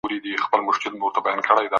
د تورو د ټایپ تصویر اخیستل ساینسي عمل دی.